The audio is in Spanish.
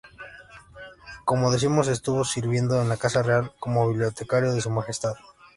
Como decimos, estuvo sirviendo en la Casa Real como bibliotecario de Su Majestad.